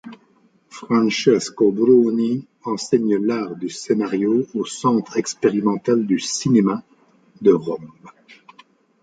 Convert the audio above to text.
Francesco Bruni enseigne l'art du scénario au Centre expérimental du cinéma de Rome.